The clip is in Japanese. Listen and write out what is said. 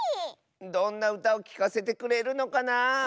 どんなうたをきかせてくれるのかなあ。